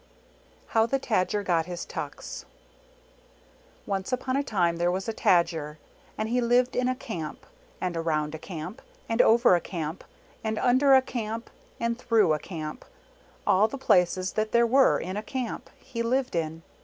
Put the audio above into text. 906339 HOW THE TAJAR GOT HIS TUCKS HOW THE TAJER GOT HIS TUCKS Once upon a time there was a Tajer, and he lived in a Camp, and around a Camp, and over a Camp, and under a Camp, and through a Camp. All the places that there were in a Camp, he lived in.